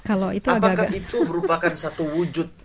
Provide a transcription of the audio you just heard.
apakah itu merupakan satu wujud